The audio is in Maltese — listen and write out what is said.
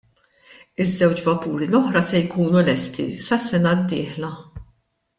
Iż-żewġ vapuri l-oħra se jkunu lesti sas-sena d-dieħla.